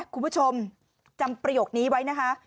คุณผู้ชมจำประโยคนี้ไว้นะคะ